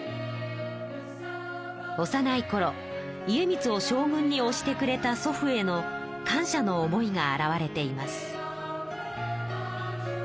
おさないころ家光を将軍におしてくれた祖父への感謝の思いが表れています。